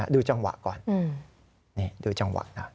ดูจังหวะก่อนนี่ดูจังหวะนะ